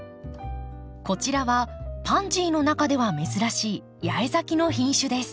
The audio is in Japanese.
こちらはパンジーの中では珍しい八重咲きの品種です。